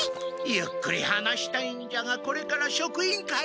ゆっくり話したいんじゃがこれから職員会議があってのう。